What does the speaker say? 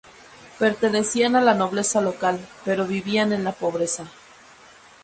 Pertenecían a la nobleza local, pero vivían en la pobreza.